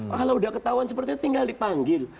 kalau sudah ketahuan seperti itu tinggal dipanggil